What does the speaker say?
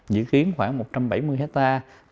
dự kiến khoảng một trăm bảy mươi hectare